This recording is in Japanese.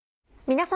皆様。